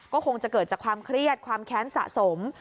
ก็คงจะเกิดจากความเครียดความแค้นสะสม